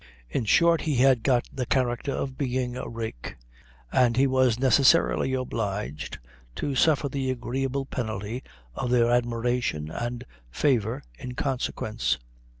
In short, he had got the character of being a rake; and he was necessarily obliged to suffer the agreeable penalty of their admiration and favor in consequence.